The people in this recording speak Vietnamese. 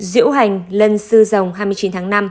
diễu hành lân sư dòng hai mươi chín tháng năm